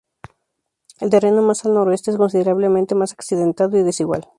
El terreno más al noreste es considerablemente más accidentado y desigual.